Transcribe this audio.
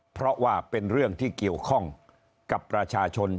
เพราะว่าเป็นเรื่องที่เกี่ยวข้องกับประชาชน